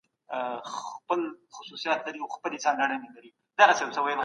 افغان خبریالان بهر ته د سفر ازادي نه لري.